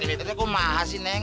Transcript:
ini ternyata kok mahasis nen